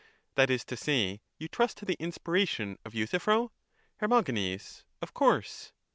That is to say, you trust to the inspiration of Euthy phro. Her. Of course.